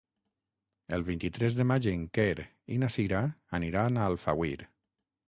El vint-i-tres de maig en Quer i na Sira aniran a Alfauir.